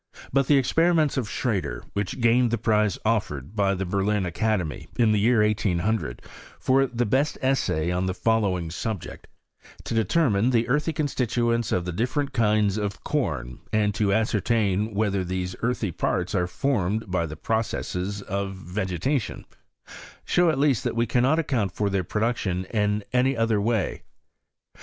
But the ex periments of Schrader, which gained the prize offered by the Berlin Academy, in the year 1800, for the best essay on the following subject : To determine the earthy constituents of the different kinds of com, and to ascertain whether these earthy parts are formed by the processes of vegetation, show at least that we cannot account for their production in any other way.